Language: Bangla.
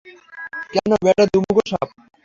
কেন, ব্যাটা দু মুখো সাপ!